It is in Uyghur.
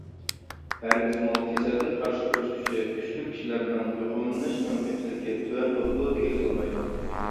ھەرگىزمۇ كېسەلگە قارشى تۇرۇش كۈچى كۈچلۈك كىشىلەرنىڭ يۇقۇملىنىش مۇمكىنچىلىكى تۆۋەن بولىدۇ، دېگىلى بولمايدۇ.